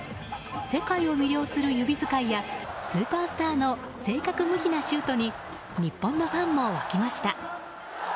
世界を魅了する指使いやスーパースターの正確無比なシュートに日本のファンも沸きました。